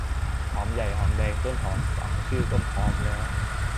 หอมใหญ่ หอมแดง ต้นหอม ฟังชื่อก็หอมแล้ว